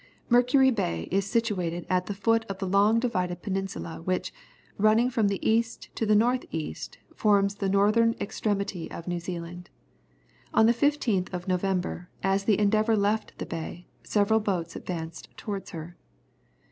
Mercury Bay is situated at the foot of the long divided peninsula which, running from the east to the north east, forms the northern extremity of New Zealand. On the 15th of November, as the Endeavour left the bay, several boats advanced towards her.